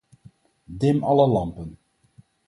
Dim alle lampen.